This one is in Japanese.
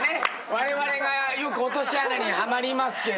われわれがよく落とし穴にはまりますけど。